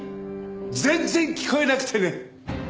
全然聞こえなくてね。